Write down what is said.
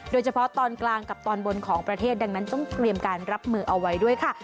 โดยเฉพาะตอนกลางกับตอนบนของประเทศดังนั้นต้องเตรียมการรับมือเอาไว้ด้วยค่ะ